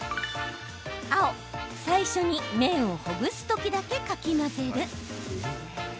青・最初に麺をほぐすときだけかき混ぜる。